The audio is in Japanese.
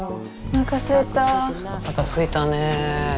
おなかすいたね。